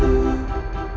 terima kasih pak